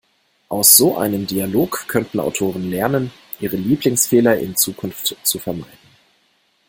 Aus so einem Dialog könnten Autoren lernen, ihre Lieblingsfehler in Zukunft zu vermeiden.